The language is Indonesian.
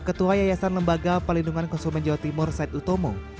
ketua yayasan lembaga pelindungan konsumen jawa timur said utomo